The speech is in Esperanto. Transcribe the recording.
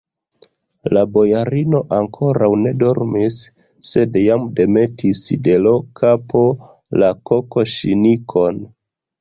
La bojarino ankoraŭ ne dormis, sed jam demetis de l' kapo la kokoŝnikon.